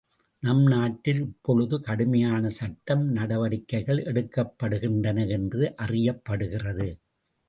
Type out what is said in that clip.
நம் நாட்டில் இப்பொழுது கடுமையான சட்டம் நடவடிக்கைகள் எடுக்கப்படுகின்றன என்று அறியப்படுகிறது.